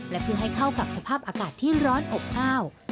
และเพื่อให้เข้ากับสภาพอากาศที่ร้อนอบอ้าว